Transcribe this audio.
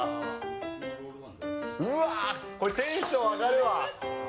うわー、これ、テンション上がるわ。